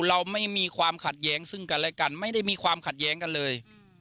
เราไม่มีความขัดแย้งซึ่งกันและกันไม่ได้มีความขัดแย้งกันเลย